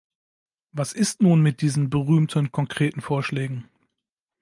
Was ist nun mit diesen berühmten konkreten Vorschlägen?